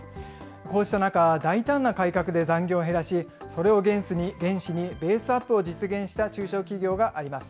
こうした中、大胆な改革で残業を減らし、それを原資にベースアップを実現した中小企業があります。